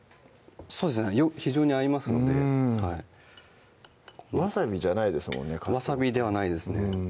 そうですね非常に合いますのでうんわさびじゃないですもんねかつおわさびではないですね